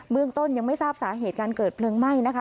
เมืองต้นยังไม่ทราบสาเหตุการเกิดเพลิงไหม้นะคะ